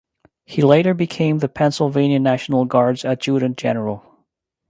He later became the Pennsylvania National Guard’s adjutant general.